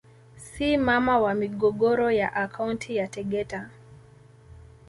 Si mama wa migogoro ya akaunti ya Tegeta